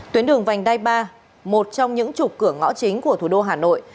tuyến đường vành đai ba một trong những trục cửa ngõ chính của thủ đô hà nội